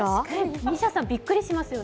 ＭＩＳＩＡさん、びっくりしますよね。